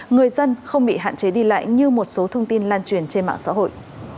người dân không bị hạn chế đi lại như một số thông tin lan truyền trên mạng xã hội